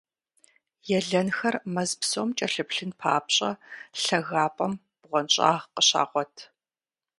Елэнхэр мэз псом кӀэлъыплъын папщӀэ, лъагапӀэм бгъуэнщӀагъ къыщагъуэт.